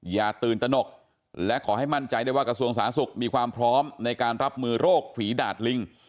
อย่าตื่นตนกและขอให้มั่นใจได้ว่ากระทรวงสาธารณสุขมีความพร้อมในการรับมือโรคฝีดาดลิง